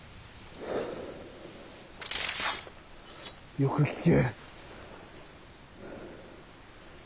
よく聞け。